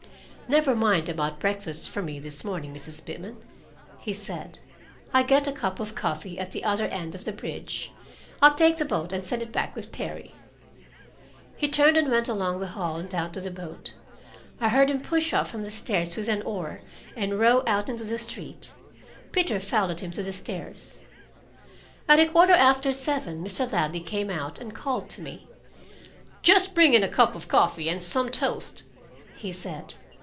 "Never mind about breakfast for me this morning, Mrs. Pitman," he said. "I'll get a cup of coffee at the other end of the bridge. I'll take the boat and send it back with Terry." He turned and went along the hall and down to the boat. I heard him push off from the stairs with an oar and row out into the street. Peter followed him to the stairs. At a quarter after seven Mr. Ladley came out and called to me: "Just bring in a cup of coffee and some toast," he said.